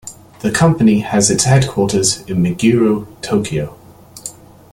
The company has its headquarters in Meguro, Tokyo.